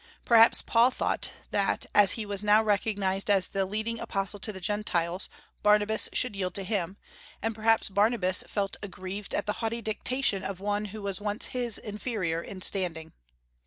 Perhaps Paul thought that as he was now recognized as the leading apostle to the Gentiles, Barnabas should yield to him; and perhaps Barnabas felt aggrieved at the haughty dictation of one who was once his inferior in standing.